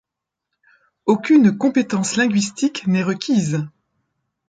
Aucune compétence linguistique n’est requise.